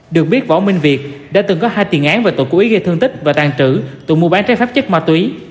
được biết võ minh việt đã từng có hai tiền án về tội cú ý gây thương tích và tàn trữ tụi mua bán trái pháp chất ma túy